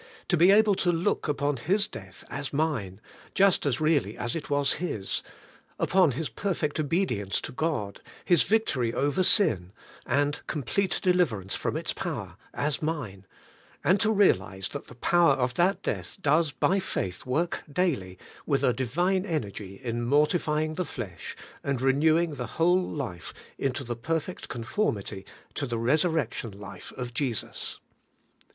To be able to look upon His death as mine, just as really as it was His, — upon His per fect obedience to God, His victory over sin, and com plete deliverance from its power, as mine; and to realize that the power of that death does by faith work daily with a Divine energy in mortifying the flesh, and renewing the whole life into the perfect conformity to the resurrection life of Jesus!